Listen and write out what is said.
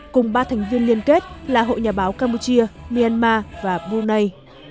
cùng ba thành viên liên kết là hội nhà báo campuchia myanmar và brunei